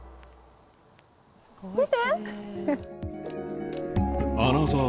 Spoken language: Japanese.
見て！